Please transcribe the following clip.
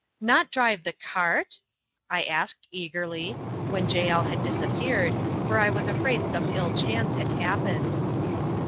"Not drive the cart?" I asked, eagerly, when Jael had disappeared, for I was afraid some ill chance had happened.